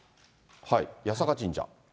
八坂神社。